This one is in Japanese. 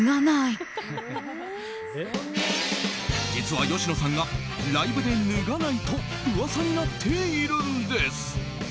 実は吉野さんがライブで脱がないと噂になっているんです。